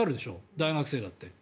大学生だって。